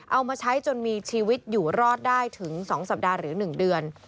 เอามาใช้จนมีชีวิตอยู่รอดได้ถึง๒สัปดาห์หรือ๑เดือน